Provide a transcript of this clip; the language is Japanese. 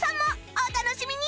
お楽しみに！